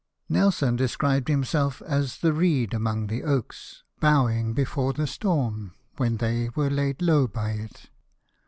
Nelson described himself as the reed among the oaks, bowing before the storm . when they were laid low by it.